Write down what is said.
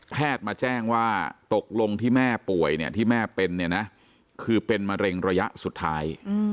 แพทย์มาแจ้งว่าตกลงที่แม่ป่วยที่แม่เป็นคือเป็นมะเร็งระยะสุดท้าย